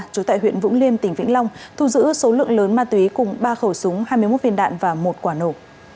trú tại huyện vũng liêm tỉnh vĩnh long thu giữ số lượng lớn ma túy cùng ba khẩu súng hai mươi một viên đạn và một quả nổ